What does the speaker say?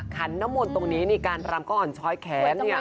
ขันน้ำมนต์ตรงนี้นี่การรำก็อ่อนช้อยแขนเนี่ย